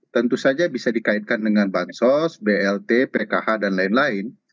tentu saja bisa dikaitkan dengan bansos blt pkh dan lain lain